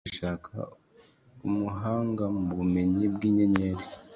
Nigeze gushaka kuba umuhanga mu bumenyi bw'inyenyeri.